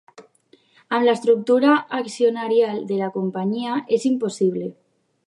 Amb l'estructura accionarial de la companyia és impossible